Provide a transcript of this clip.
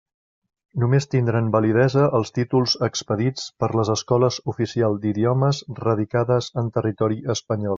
Només tindran validesa els títols expedits per les escoles oficials d'idiomes radicades en territori espanyol.